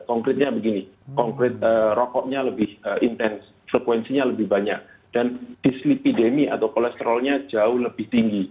konkretnya begini konkret rokoknya lebih intens frekuensinya lebih banyak dan dislipidemi atau kolesterolnya jauh lebih tinggi